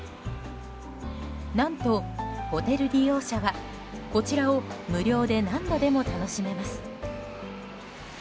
何と、ホテル利用者はこちらを無料で何度でも楽しめます。